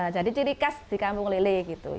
jadi ciri khas di kampung lele